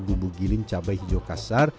bumbu giling cabai hijau kasar